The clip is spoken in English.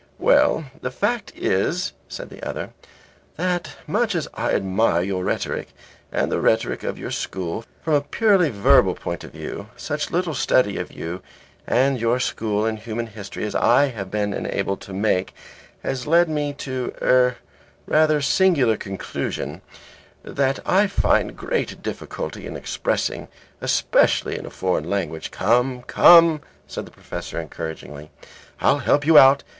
"Well, the fact is," said the other, "that much as I admire your rhetoric and the rhetoric of your school, from a purely verbal point of view, such little study of you and your school in human history as I have been enabled to make has led me to er rather singular conclusion, which I find great difficulty in expressing, especially in a foreign language." "Come, come," said the Professor, encouragingly, "I'll help you out.